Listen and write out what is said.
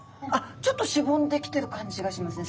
ちょっとしぼんできてる感じがしますね。